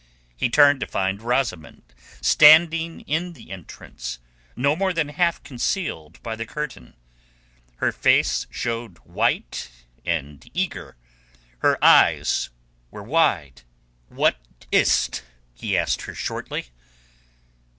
He turned to find Rosamund standing in the entrance, not more than half concealed by the curtain. Her face showed white and eager, her eyes were wide. "What is't?" he asked her shortly.